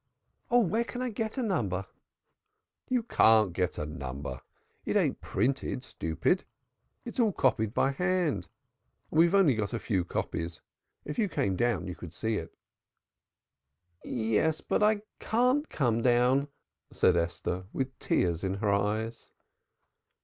"Oh, where could I get a number?" "You can't get a number. It ain't printed, stupid. It's all copied by hand, and we've only got a few copies. If you came down, you could see it." "Yes, but I can't come down," said Esther, with tears in her eyes.